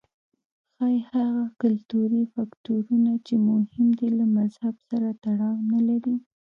ښايي هغه کلتوري فکټورونه چې مهم دي له مذهب سره تړاو نه لري.